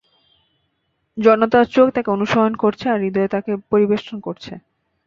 জনতার চোখ তাকে অনুসরণ করছে আর হৃদয় তাকে পরিবেষ্টন করছে।